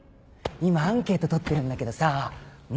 今アンケート取ってるんだけどさもし